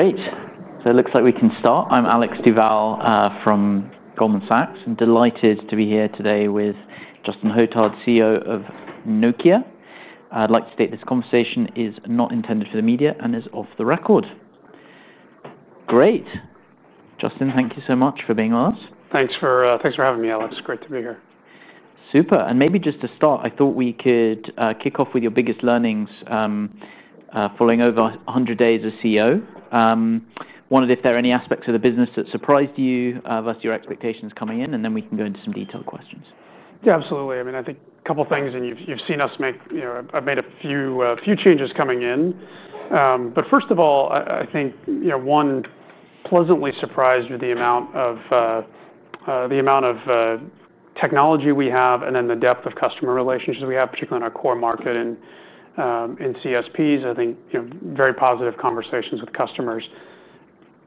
Great. It looks like we can start. I'm Alex Duvall from Goldman Sachs. I'm delighted to be here today with Justin Hotard, CEO of Nokia. I'd like to state this conversation is not intended for the media and is off the record. Great. Justin, thank you so much for being with us. Thanks for having me, Alex. Great to be here. Super. Maybe just to start, I thought we could kick off with your biggest learnings, following over 100 days as CEO. I wondered if there are any aspects of the business that surprised you versus your expectations coming in, and then we can go into some detailed questions. Yeah, absolutely. I mean, I think a couple of things, and you've seen us make, I've made a few changes coming in. First of all, I think, you know, one, pleasantly surprised with the amount of technology we have and then the depth of customer relationships we have, particularly in our core market and in communications service providers. I think, you know, very positive conversations with customers.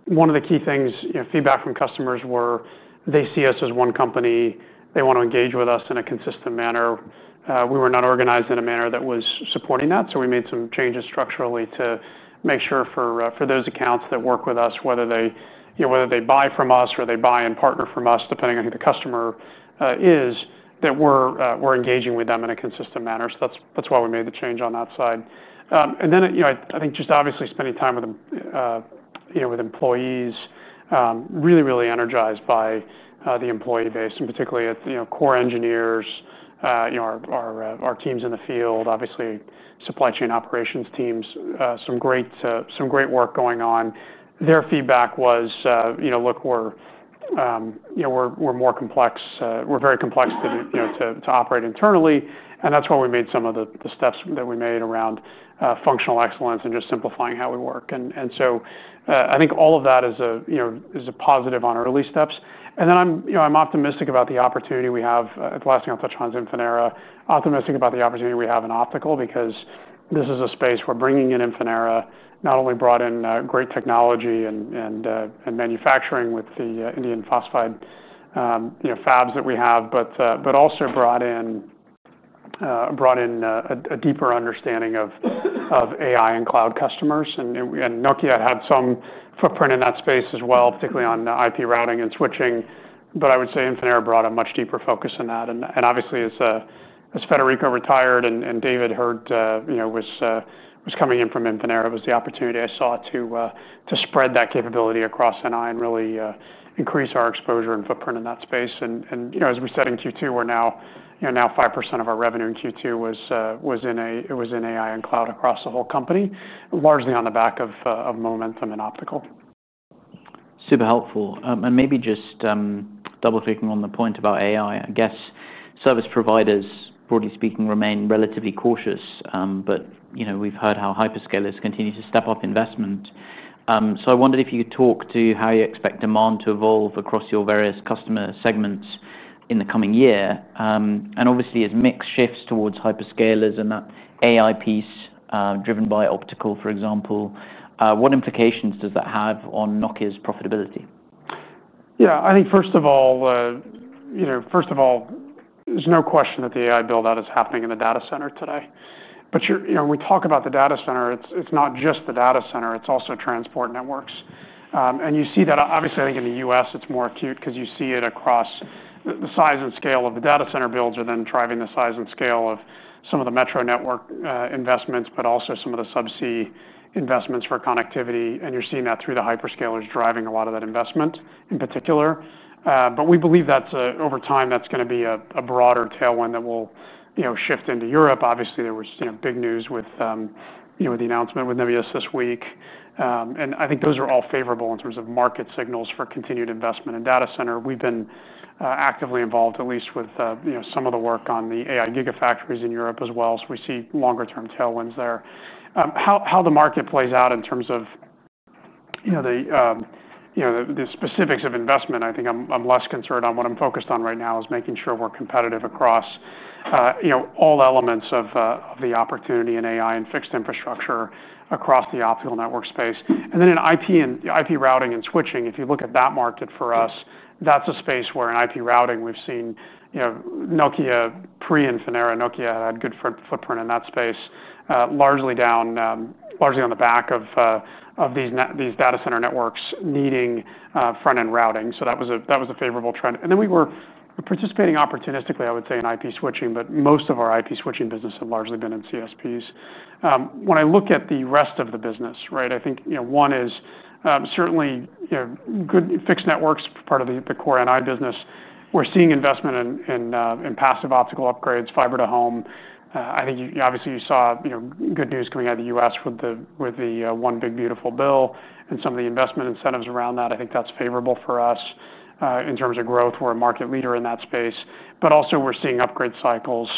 One of the key things, you know, feedback from customers was they see us as one company. They want to engage with us in a consistent manner. We were not organized in a manner that was supporting that. We made some changes structurally to make sure for those accounts that work with us, whether they buy from us or they buy and partner from us, depending on who the customer is, that we're engaging with them in a consistent manner. That's why we made the change on that side. I think just obviously spending time with employees, really, really energized by the employee base, and particularly at core engineers, our teams in the field, obviously, supply chain operations teams, some great work going on. Their feedback was, you know, look, we're more complex. We're very complex to operate internally. That's why we made some of the steps that we made around functional excellence and just simplifying how we work. I think all of that is a positive on early steps. I'm optimistic about the opportunity we have. The last thing I'll touch on is Infinera. I'm optimistic about the opportunity we have in optical because this is a space where bringing in Infinera not only brought in great technology and manufacturing with the indium phosphide fabrication that we have, but also brought in a deeper understanding of AI and cloud customers. Nokia had some footprint in that space as well, particularly on IP routing and switching. I would say Infinera brought a much deeper focus in that. Obviously, as Federico retired and David Mulholland was coming in from Infinera, it was the opportunity I saw to spread that capability across Network Infrastructure and really increase our exposure and footprint in that space. As we said in Q2, now 5% of our revenue in Q2 was in AI and cloud across the whole company, largely on the back of momentum in optical. Super helpful. Maybe just double-clicking on the point about AI, I guess service providers, broadly speaking, remain relatively cautious. We've heard how hyperscalers continue to step up investment. I wondered if you could talk to how you expect demand to evolve across your various customer segments in the coming year. Obviously, as mix shifts towards hyperscalers and that AI piece driven by optical, for example, what implications does that have on Nokia's profitability? Yeah, I think first of all, there's no question that the AI build-out is happening in the data center today. When we talk about the data center, it's not just the data center, it's also transport networks. You see that, obviously, I think in the U.S., it's more acute because you see it across the size and scale of the data center builds driving the size and scale of some of the metro network investments, but also some of the subsea investments for connectivity. You're seeing that through the hyperscalers driving a lot of that investment in particular. We believe that over time, that's going to be a broader tailwind that will shift into Europe. Obviously, there was big news with the announcement with Nimbus this week. I think those are all favorable in terms of market signals for continued investment in data center. We've been actively involved, at least with some of the work on the AI gigafactories in Europe as well. We see longer-term tailwinds there. How the market plays out in terms of the specifics of investment, I think I'm less concerned on. What I'm focused on right now is making sure we're competitive across all elements of the opportunity in AI and fixed infrastructure across the optical network space. In IP routing and switching, if you look at that market for us, that's a space where in IP routing, we've seen Nokia, pre-Infinera, Nokia had a good footprint in that space, largely on the back of these data center networks needing front-end routing. That was a favorable trend. We were participating opportunistically, I would say, in IP switching, but most of our IP switching business has largely been in communications service providers. When I look at the rest of the business, I think one is certainly good fixed networks, part of the core Network Infrastructure business. We're seeing investment in passive optical upgrades, fiber to home. I think obviously you saw good news coming out of the U.S. with the One Big Beautiful Bill and some of the investment incentives around that. I think that's favorable for us in terms of growth. We're a market leader in that space. We're also seeing upgrade cycles,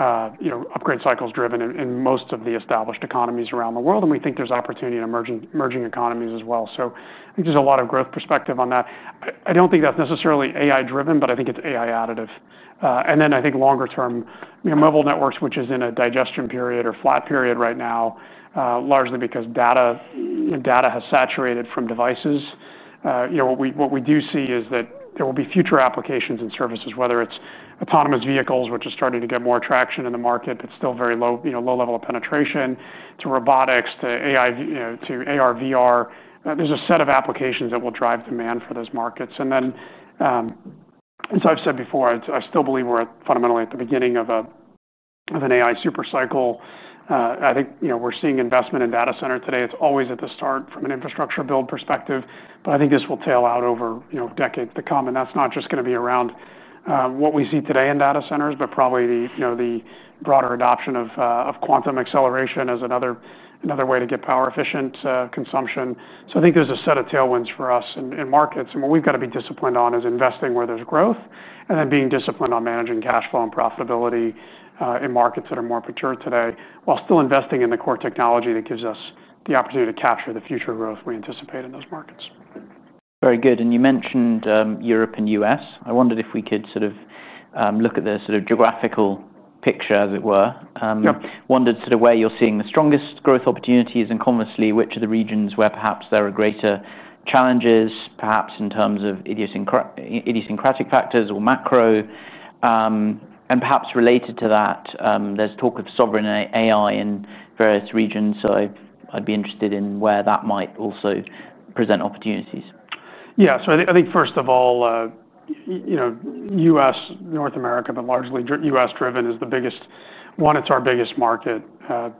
upgrade cycles driven in most of the established economies around the world. We think there's opportunity in emerging economies as well. I think there's a lot of growth perspective on that. I don't think that's necessarily AI-driven, but I think it's AI additive. I think longer term, you know, mobile network switches in a digestion period or flat period right now, largely because data has saturated from devices. What we do see is that there will be future applications and services, whether it's autonomous vehicles, which is starting to get more traction in the market, but still very low level of penetration, to robotics, to AR, VR. There's a set of applications that will drive demand for those markets. As I've said before, I still believe we're fundamentally at the beginning of an AI supercycle. I think we're seeing investment in data center today. It's always at the start from an infrastructure build perspective. I think this will tail out over decades to come. That's not just going to be around what we see today in data centers, but probably the broader adoption of quantum acceleration as another way to get power efficient consumption. I think there's a set of tailwinds for us in markets. What we've got to be disciplined on is investing where there's growth and then being disciplined on managing cash flow and profitability in markets that are more mature today while still investing in the core technology that gives us the opportunity to capture the future growth we anticipate in those markets. Very good. You mentioned Europe and U.S. I wondered if we could look at the geographical picture, as it were. I wondered where you're seeing the strongest growth opportunities and, conversely, which are the regions where perhaps there are greater challenges, perhaps in terms of idiosyncratic factors or macro. Perhaps related to that, there's talk of sovereign AI in various regions. I'd be interested in where that might also present opportunities. Yeah, so I think first of all, you know, U.S., North America, but largely U.S.-driven is the biggest one. It's our biggest market.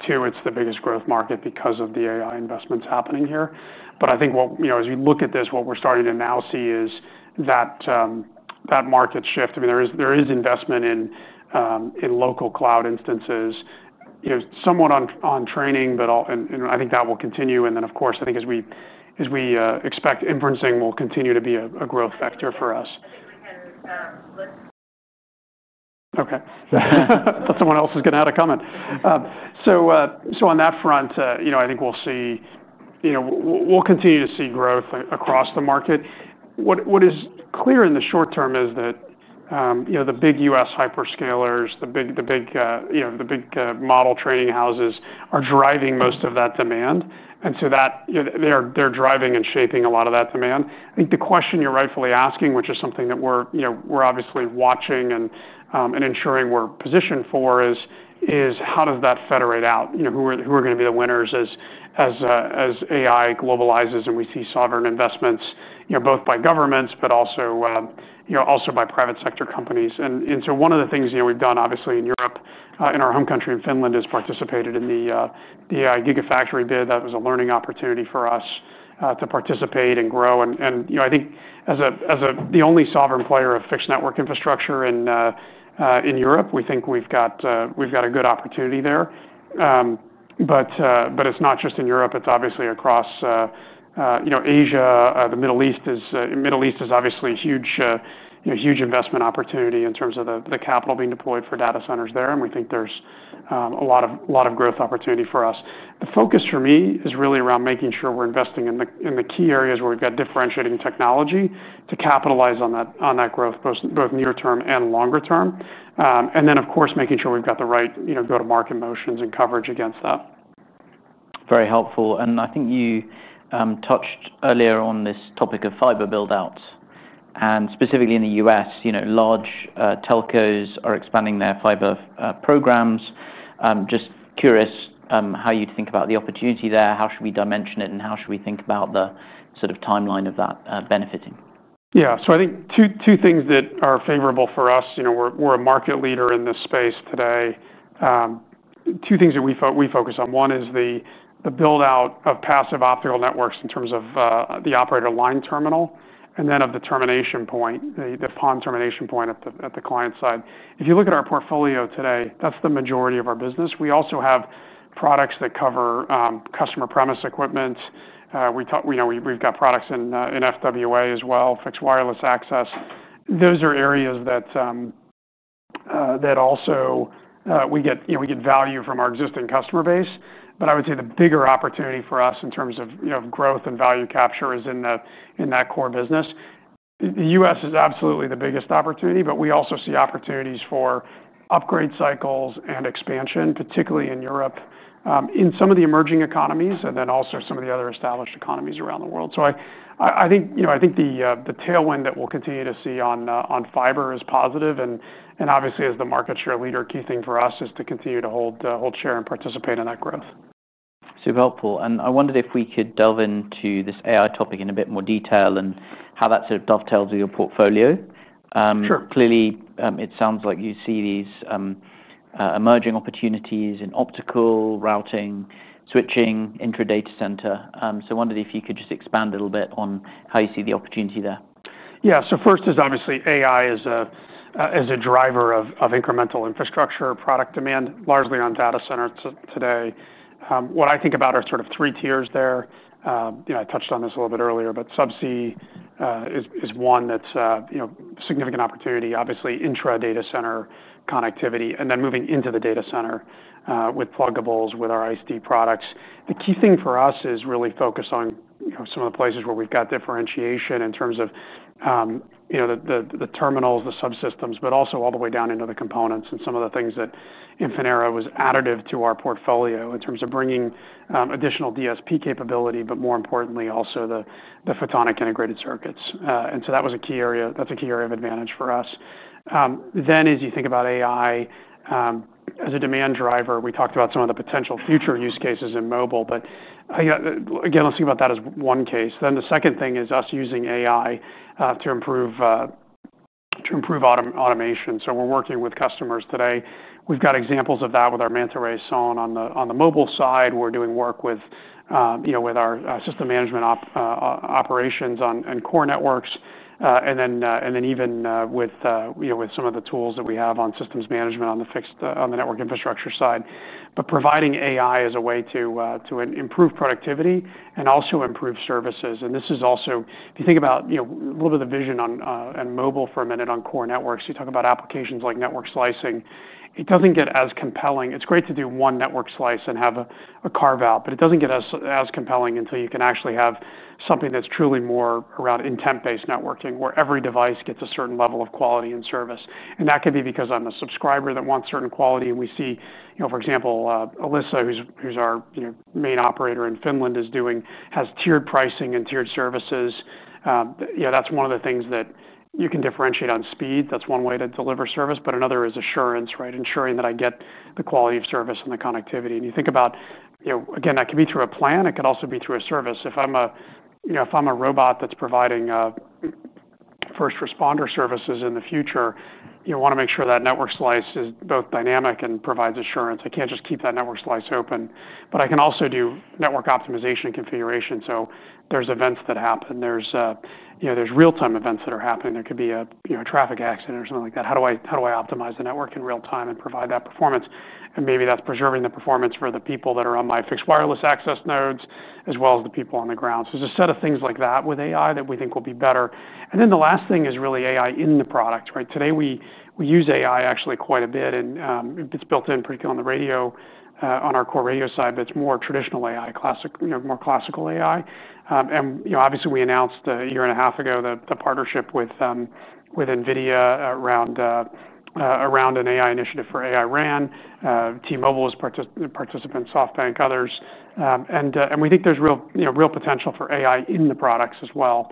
Two, it's the biggest growth market because of the AI investments happening here. I think what, you know, as you look at this, what we're starting to now see is that market shift. There is investment in local cloud instances, somewhat on training, but I think that will continue. Of course, I think as we expect, inferencing will continue to be a growth factor for us. Someone else is going to add a comment. On that front, I think we'll see, you know, we'll continue to see growth across the market. What is clear in the short term is that the big U.S. hyperscalers, the big model training houses are driving most of that demand, and so they're driving and shaping a lot of that demand. I think the question you're rightfully asking, which is something that we're obviously watching and ensuring we're positioned for, is how does that federate out? Who are going to be the winners as AI globalizes and we see sovereign investments, both by governments, but also by private sector companies? One of the things we've done obviously in Europe, in our home country in Finland, is participated in the AI gigafactory bid. That was a learning opportunity for us to participate and grow. I think as the only sovereign player of fixed network infrastructure in Europe, we think we've got a good opportunity there. It's not just in Europe. It's obviously across Asia. The Middle East is obviously a huge investment opportunity in terms of the capital being deployed for data centers there, and we think there's a lot of growth opportunity for us. The focus for me is really around making sure we're investing in the key areas where we've got differentiating technology to capitalize on that growth, both near-term and longer term, and then, of course, making sure we've got the right go-to-market motions and coverage against that. Very helpful. I think you touched earlier on this topic of fiber build-outs. Specifically in the U.S., large telcos are expanding their fiber programs. Just curious how you'd think about the opportunity there. How should we dimension it, and how should we think about the sort of timeline of that benefiting? Yeah, so I think two things that are favorable for us. You know, we're a market leader in this space today. Two things that we focus on. One is the build-out of passive optical networks in terms of the operator line terminal, and then of the termination point, the PON termination point at the client side. If you look at our portfolio today, that's the majority of our business. We also have products that cover customer premise equipment. We've got products in FWA as well, fixed wireless access. Those are areas that also we get value from our existing customer base. I would say the bigger opportunity for us in terms of growth and value capture is in that core business. The U.S. is absolutely the biggest opportunity, but we also see opportunities for upgrade cycles and expansion, particularly in Europe, in some of the emerging economies, and also some of the other established economies around the world. I think the tailwind that we'll continue to see on fiber is positive. Obviously, as the market share leader, the key thing for us is to continue to hold share and participate in that growth. Super helpful. I wondered if we could delve into this AI topic in a bit more detail and how that sort of dovetails with your portfolio. Clearly, it sounds like you see these emerging opportunities in optical routing, switching, intra-data center. I wondered if you could just expand a little bit on how you see the opportunity there. Yeah, so first is obviously AI is a driver of incremental infrastructure product demand, largely on data centers today. What I think about are sort of three tiers there. I touched on this a little bit earlier, but subsea is one that's a significant opportunity. Obviously, intra-data center connectivity and then moving into the data center with plugables, with our ISD products. The key thing for us is really focused on some of the places where we've got differentiation in terms of the terminals, the subsystems, but also all the way down into the components and some of the things that Infinera was additive to our portfolio in terms of bringing additional DSP capability, but more importantly, also the photonic integrated circuits. That was a key area of advantage for us. As you think about AI as a demand driver, we talked about some of the potential future use cases in mobile. Again, let's think about that as one case. The second thing is us using AI to improve automation. We're working with customers today. We've got examples of that with our manta ray sawing on the mobile side. We're doing work with our system management operations on core networks, and then even with some of the tools that we have on systems management on the network infrastructure side. Providing AI is a way to improve productivity and also improve services. This is also, if you think about a little bit of the vision on mobile for a minute on core networks, you talk about applications like network slicing. It doesn't get as compelling. It's great to do one network slice and have a carve-out, but it doesn't get as compelling until you can actually have something that's truly more around intent-based networking where every device gets a certain level of quality and service. That could be because I'm a subscriber that wants certain quality. We see, for example, Elisa, who's our main operator in Finland, has tiered pricing and tiered services. That's one of the things that you can differentiate on speed. That's one way to deliver service. Another is assurance, right? Ensuring that I get the quality of service and the connectivity. You think about, again, that could be through a plan. It could also be through a service. If I'm a robot that's providing first responder services in the future, you want to make sure that network slice is both dynamic and provides assurance. I can't just keep that network slice open. I can also do network optimization and configuration. There are events that happen. There are real-time events that are happening. There could be a traffic accident or something like that. How do I optimize the network in real time and provide that performance? Maybe that's preserving the performance for the people that are on my fixed wireless access nodes, as well as the people on the ground. There is a set of things like that with AI that we think will be better. The last thing is really AI in the product, right? Today we use AI actually quite a bit. It's built in particularly on the radio, on our core radio side, but it's more traditional AI, more classical AI. Obviously, we announced a year and a half ago the partnership with NVIDIA around an AI initiative for AI RAN. T-Mobile US is a participant, SoftBank, others. We think there's real potential for AI in the products as well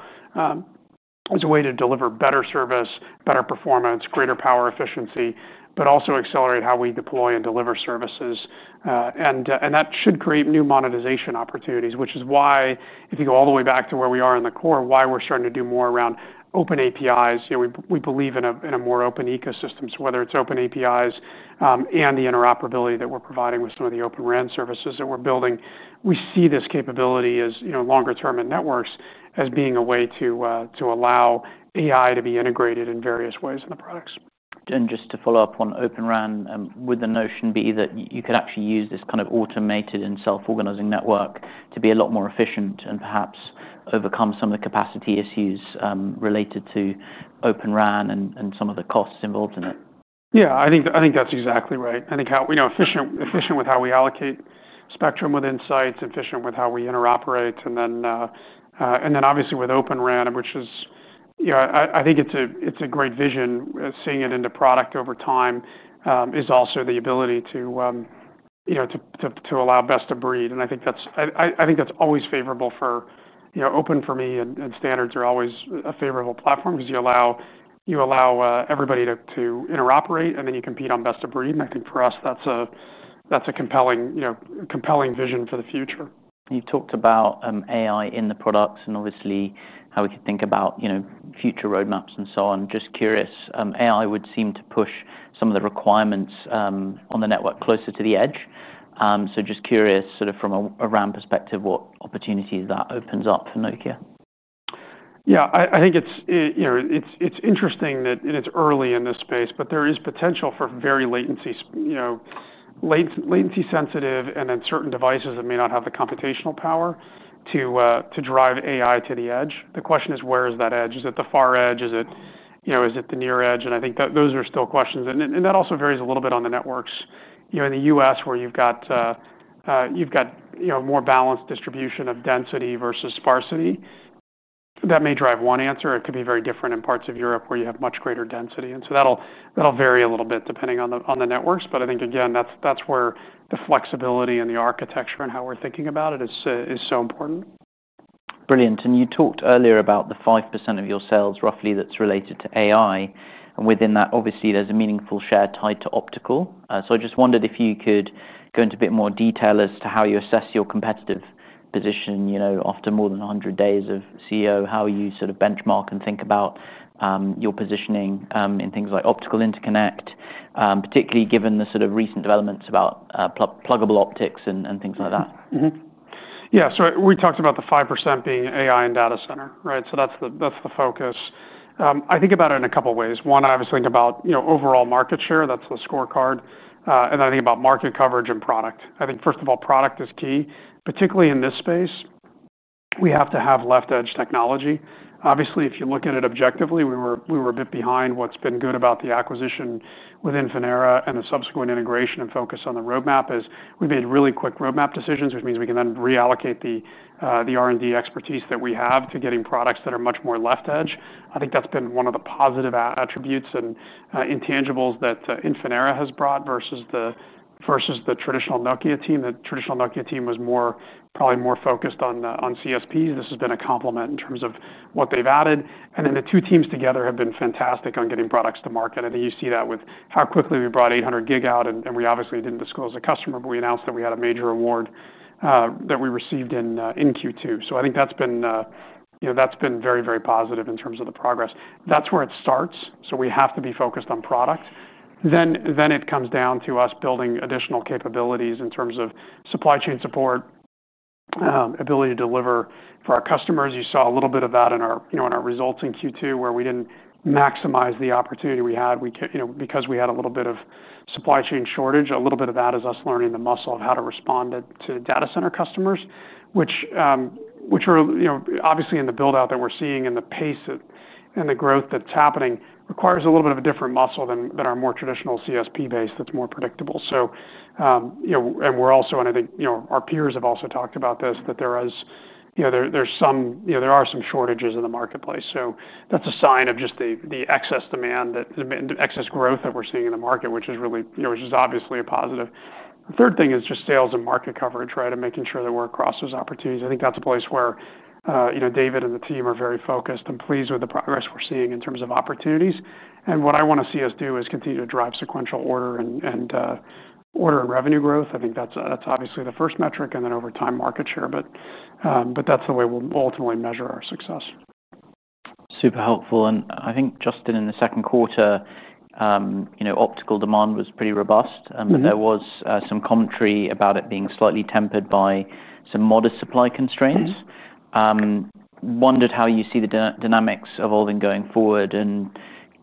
as a way to deliver better service, better performance, greater power efficiency, but also accelerate how we deploy and deliver services. That should create new monetization opportunities, which is why, if you go all the way back to where we are in the core, we're starting to do more around open APIs. We believe in a more open ecosystem. Whether it's open APIs and the interoperability that we're providing with some of the Open RAN services that we're building, we see this capability as longer term in networks as being a way to allow AI to be integrated in various ways in the products. To follow up on Open RAN, would the notion be that you could actually use this kind of automated and self-organizing network to be a lot more efficient and perhaps overcome some of the capacity issues related to Open RAN and some of the costs involved in it? Yeah, I think that's exactly right. I think how efficient with how we allocate spectrum within sites, efficient with how we interoperate. Obviously, with Open RAN, which is, I think it's a great vision, seeing it into product over time, is also the ability to allow best of breed. I think that's always favorable for, you know, open for me, and standards are always a favorable platform because you allow everybody to interoperate, and then you compete on best of breed. I think for us, that's a compelling vision for the future. You've talked about AI in the products and obviously how we could think about future roadmaps and so on. Just curious, AI would seem to push some of the requirements on the network closer to the edge. Just curious, sort of from a RAN perspective, what opportunities that opens up for Nokia? Yeah, I think it's interesting that it's early in this space, but there is potential for very latency-sensitive and then certain devices that may not have the computational power to drive AI to the edge. The question is, where is that edge? Is it the far edge? Is it the near edge? I think those are still questions. That also varies a little bit on the networks. In the U.S., where you've got more balanced distribution of density versus sparsity, that may drive one answer. It could be very different in parts of Europe where you have much greater density. That'll vary a little bit depending on the networks. I think, again, that's where the flexibility and the architecture and how we're thinking about it is so important. Brilliant. You talked earlier about the 5% of your sales roughly that's related to AI. Within that, obviously, there's a meaningful share tied to optical. I just wondered if you could go into a bit more detail as to how you assess your competitive position, you know, after more than 100 days of CEO, how you sort of benchmark and think about your positioning in things like optical interconnect, particularly given the sort of recent developments about plugable optics and things like that. Yeah, so we talked about the 5% being AI and data center, right? That's the focus. I think about it in a couple of ways. One, I obviously think about overall market share. That's the scorecard. I think about market coverage and product. First of all, product is key, particularly in this space. We have to have left-edge technology. Obviously, if you look at it objectively, we were a bit behind. What's been good about the acquisition with Infinera and the subsequent integration and focus on the roadmap is we've made really quick roadmap decisions, which means we can then reallocate the R&D expertise that we have to getting products that are much more left-edge. I think that's been one of the positive attributes and intangibles that Infinera has brought versus the traditional Nokia team. The traditional Nokia team was probably more focused on communications service providers. This has been a compliment in terms of what they've added. The two teams together have been fantastic on getting products to market. I think you see that with how quickly we brought 800 gig out, and we obviously didn't disclose a customer, but we announced that we had a major award that we received in Q2. I think that's been very, very positive in terms of the progress. That's where it starts. We have to be focused on product. Then it comes down to us building additional capabilities in terms of supply chain support, ability to deliver for our customers. You saw a little bit of that in our results in Q2 where we didn't maximize the opportunity we had because we had a little bit of supply chain shortage. A little bit of that is us learning the muscle of how to respond to data center customers, which are obviously in the build-out that we're seeing and the pace and the growth that's happening requires a little bit of a different muscle than our more traditional communications service provider base that's more predictable. Our peers have also talked about this, that there are some shortages in the marketplace. That's a sign of just the excess demand and excess growth that we're seeing in the market, which is really, you know, which is obviously a positive. The third thing is just sales and market coverage, right, and making sure that we're across those opportunities. I think that's a place where David and the team are very focused and pleased with the progress we're seeing in terms of opportunities. What I want to see us do is continue to drive sequential order and revenue growth. I think that's obviously the first metric, and then over time market share. That's the way we'll ultimately measure our success. Super helpful. I think, Justin, in the second quarter, you know, optical demand was pretty robust. There was some commentary about it being slightly tempered by some modest supply constraints. I wondered how you see the dynamics evolving going forward and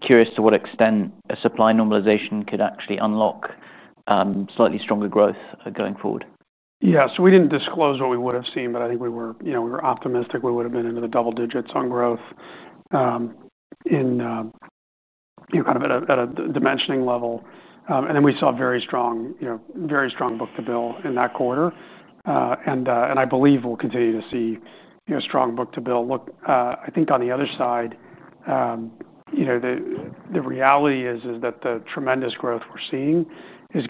curious to what extent a supply normalization could actually unlock slightly stronger growth going forward. Yeah, we didn't disclose what we would have seen, but I think we were optimistic we would have been into the double digits on growth in kind of at a dimensioning level. We saw very strong, very strong book to bill in that quarter. I believe we'll continue to see strong book to bill. Look, on the other side, the reality is that the tremendous growth we're seeing in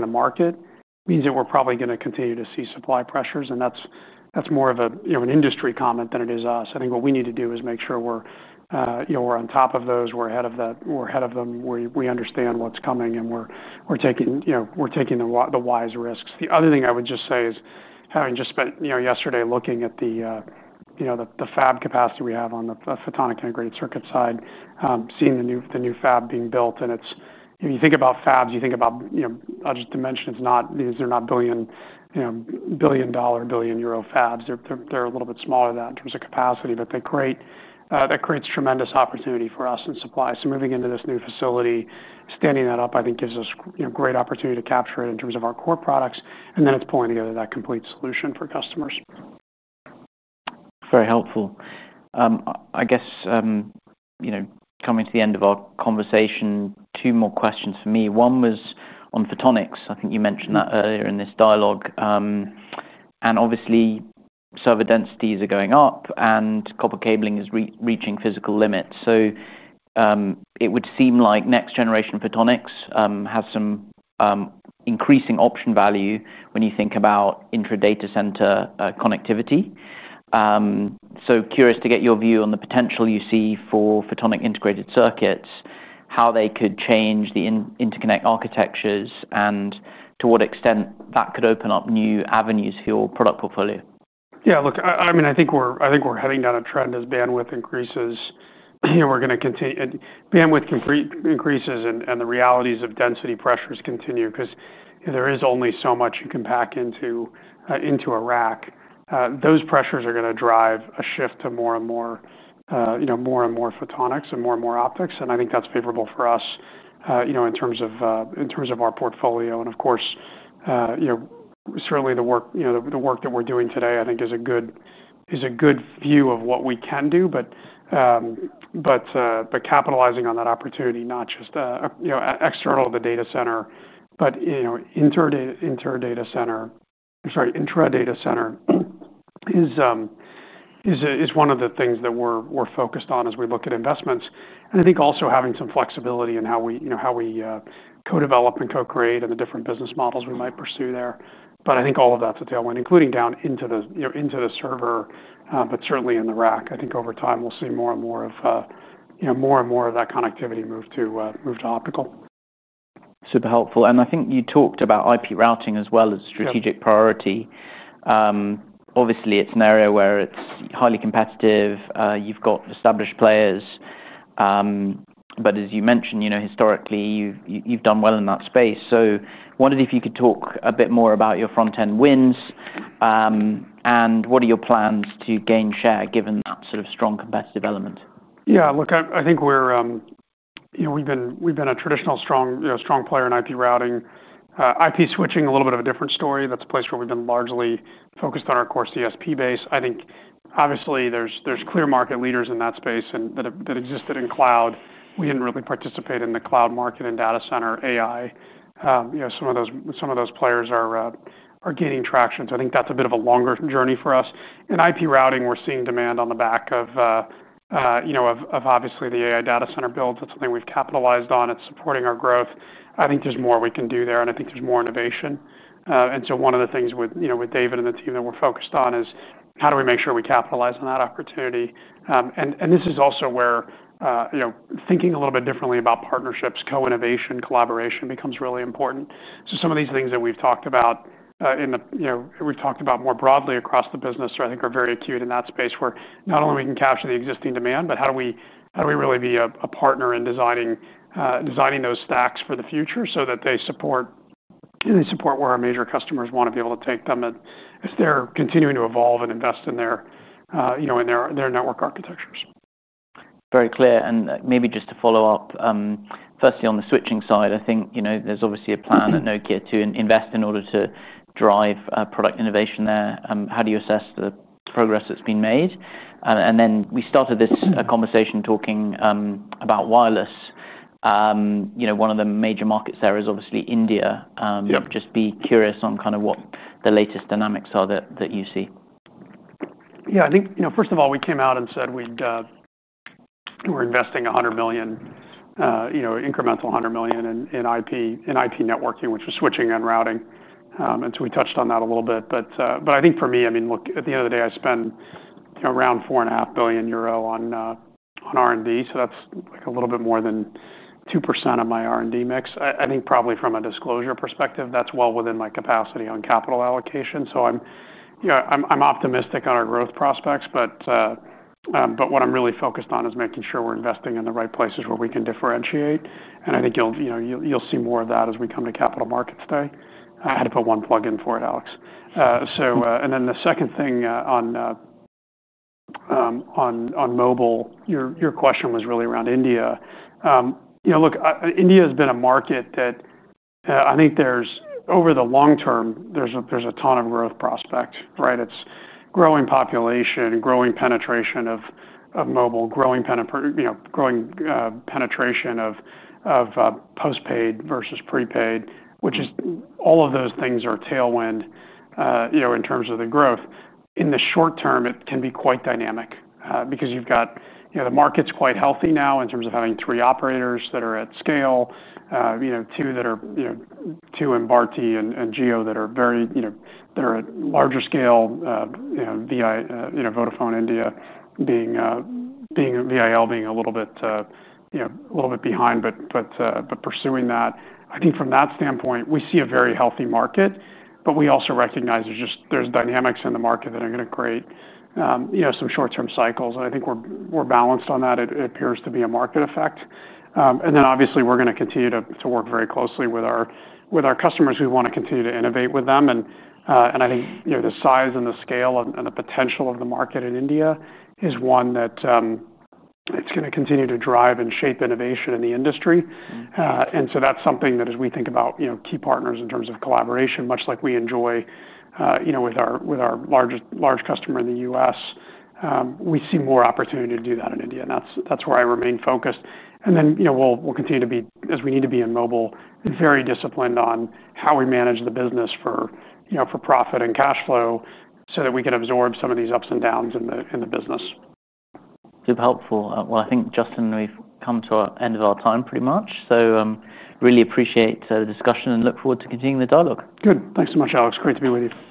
the market means that we're probably going to continue to see supply pressures. That's more of an industry comment than it is us. I think what we need to do is make sure we're on top of those, we're ahead of that, we're ahead of them, we understand what's coming, and we're taking the wise risks. The other thing I would just say is having just spent yesterday looking at the fab capacity we have on the photonic integrated circuit side, seeing the new fab being built. You think about fabs, you think about, I'll just dimension. These are not billion dollar, billion euro fabs. They're a little bit smaller than that in terms of capacity, but that creates tremendous opportunity for us in supply. Moving into this new facility, standing that up, I think gives us great opportunity to capture it in terms of our core products. Then it's pulling together that complete solution for customers. Very helpful. I guess, you know, coming to the end of our conversation, two more questions for me. One was on photonics. I think you mentioned that earlier in this dialogue. Obviously, server densities are going up and copper cabling is reaching physical limits. It would seem like next generation photonics has some increasing option value when you think about intra-data center connectivity. Curious to get your view on the potential you see for photonic integrated circuits, how they could change the interconnect architectures, and to what extent that could open up new avenues for your product portfolio. Yeah, look, I mean, I think we're heading down a trend as bandwidth increases. We're going to continue, and bandwidth increases and the realities of density pressures continue because there is only so much you can pack into a rack. Those pressures are going to drive a shift to more and more photonics and more and more optics. I think that's favorable for us in terms of our portfolio. Of course, certainly the work that we're doing today, I think, is a good view of what we can do. Capitalizing on that opportunity, not just external to the data center, but intra-data center, is one of the things that we're focused on as we look at investments. I think also having some flexibility in how we co-develop and co-create and the different business models we might pursue there. I think all of that's a tailwind, including down into the server, but certainly in the rack. I think over time we'll see more and more of that connectivity move to optical. Super helpful. I think you talked about IP routing as well as strategic priority. Obviously, it's an area where it's highly competitive. You've got established players. As you mentioned, you know, historically, you've done well in that space. I wondered if you could talk a bit more about your front-end wins. What are your plans to gain share given that sort of strong competitive element? Yeah, look, I think we're, you know, we've been a traditional strong, you know, strong player in IP routing. IP switching, a little bit of a different story. That's a place where we've been largely focused on our core communications service provider base. I think obviously there's clear market leaders in that space that existed in cloud. We didn't really participate in the cloud market and data center AI. Some of those players are gaining traction. I think that's a bit of a longer journey for us. In IP routing, we're seeing demand on the back of, you know, obviously the AI data center builds. That's something we've capitalized on. It's supporting our growth. I think there's more we can do there. I think there's more innovation. One of the things with David and the team that we're focused on is how do we make sure we capitalize on that opportunity. This is also where, you know, thinking a little bit differently about partnerships, co-innovation, collaboration becomes really important. Some of these things that we've talked about more broadly across the business, I think are very acute in that space where not only we can capture the existing demand, but how do we really be a partner in designing those stacks for the future so that they support where our major customers want to be able to take them and if they're continuing to evolve and invest in their, you know, in their network architectures. Very clear. Maybe just to follow up, firstly on the switching side, I think there's obviously a plan at Nokia to invest in order to drive product innovation there. How do you assess the progress that's been made? We started this conversation talking about wireless. One of the major markets there is obviously India. Just be curious on kind of what the latest dynamics are that you see. Yeah, I think, you know, first of all, we came out and said we were investing €100 million, you know, incremental €100 million in IP networking, which was switching and routing. We touched on that a little bit. I think for me, I mean, look, at the end of the day, I spend around €4.5 billion on R&D. That's like a little bit more than 2% of my R&D mix. I think probably from a disclosure perspective, that's well within my capacity on capital allocation. I'm optimistic on our growth prospects. What I'm really focused on is making sure we're investing in the right places where we can differentiate. I think you'll see more of that as we come to capital markets today. I had to put one plug in for it, Alex. The second thing on mobile, your question was really around India. You know, look, India has been a market that I think there's over the long term, there's a ton of growth prospects, right? It's growing population, growing penetration of mobile, growing penetration of postpaid versus prepaid, which is all of those things are tailwind, you know, in terms of the growth. In the short term, it can be quite dynamic because you've got, you know, the market's quite healthy now in terms of having three operators that are at scale, you know, two that are, you know, two in Bharti and Jio that are very, you know, they're at larger scale, you know, Vodafone India being a VIL being a little bit, you know, a little bit behind, but pursuing that. I think from that standpoint, we see a very healthy market, but we also recognize there's just, there's dynamics in the market that are going to create, you know, some short-term cycles. I think we're balanced on that. It appears to be a market effect. Obviously, we're going to continue to work very closely with our customers. We want to continue to innovate with them. I think, you know, the size and the scale and the potential of the market in India is one that it's going to continue to drive and shape innovation in the industry. That's something that as we think about, you know, key partners in terms of collaboration, much like we enjoy, you know, with our large customer in the U.S., we see more opportunity to do that in India. That's where I remain focused. You know, we'll continue to be, as we need to be in mobile, very disciplined on how we manage the business for, you know, for profit and cash flow so that we can absorb some of these ups and downs in the business. Super helpful. I think, Justin, we've come to the end of our time pretty much. I really appreciate the discussion and look forward to continuing the dialogue. Good. Thanks so much, Alex. Great to be with you.